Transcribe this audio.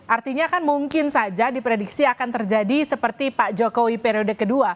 artinya kan mungkin saja di prediksi akan terjadi seperti pak jokowi periode ke dua